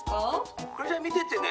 それじゃ見ててね！